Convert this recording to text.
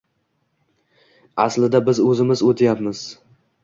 Aslida biz o`zimiz o`tyapmiz…